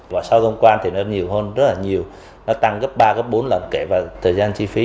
và sau thông quan thì nó nhiều hơn rất là nhiều nó tăng gấp ba gấp bốn lần kể vào thời gian chi phí